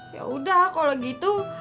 ya udah kalau gitu